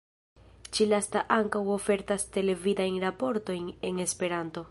Ĉi-lasta ankaŭ ofertas televidajn raportojn en Esperanto.